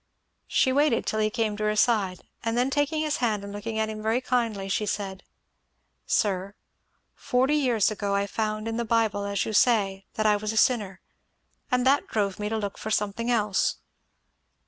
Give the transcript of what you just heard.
She waited till he came to her side, and then taking his hand and looking at him very kindly, she said, "Sir, forty years ago I found in the Bible, as you say, that I was a sinner, and that drove me to look for something else.